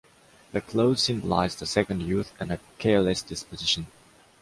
The clothes symbolize the 'second youth' and a careless disposition.